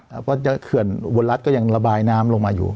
เผื่อจะเผื่นเบลิดรัสก็ยังละบายน้ำลงไปอยู่